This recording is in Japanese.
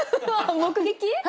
目撃？